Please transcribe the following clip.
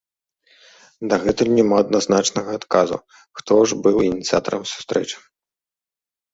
Дагэтуль няма адназначнага адказу, хто ж быў ініцыятарам сустрэчы.